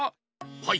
はい。